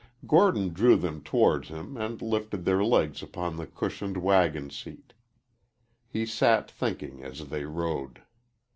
Gordon drew them towards him and lifted their legs upon the cushioned wagon seat. He sat thinking as they rode.